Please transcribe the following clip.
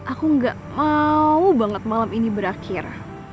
aku gak mau banget malam ini berakhir